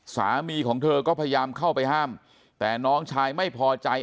สามีของเธอก็พยายามเข้าไปห้ามแต่น้องชายไม่พอใจ